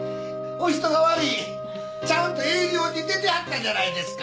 ちゃんと営業で出てはったじゃないですか！